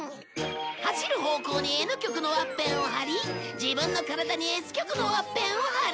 走る方向に Ｎ 極のワッペンを貼り自分の体に Ｓ 極のワッペンを貼る